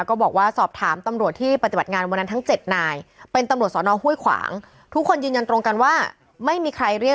ก็บอกว่าสอบถามตำรวจที่ปฏิบัติงานวันนั้นทั้ง๗นาย